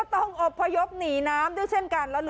ต้องอบพยพหนีน้ำด้วยเช่นกัน